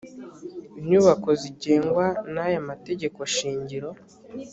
inyubako zigengwa n’aya mategeko shingiro